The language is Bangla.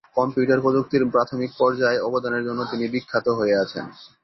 কম্পিউটার প্রযুক্তির প্রাথমিক পর্যায়ে অবদানের জন্য তিনি বিখ্যাত হয়ে আছেন।